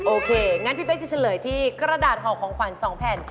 โอเคก็พี่จะแหละที่กระดาษของขวานสองแผ่น